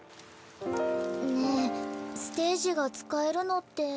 ねえステージが使えるのって。